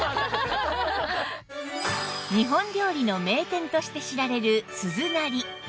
日本料理の名店として知られる鈴なり